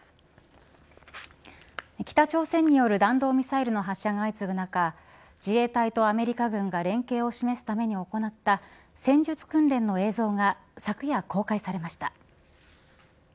北朝鮮による弾道ミサイルの発射が相次ぐ中自衛隊とアメリカ軍が連携を示すために行った戦術訓練の映像が昨夜公開されました。